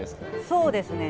そうですね。